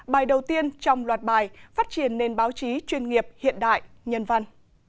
bài đầu tiên trong loạt bài phát triển nền báo chí chuyên nghiệp hiện đại nhân văn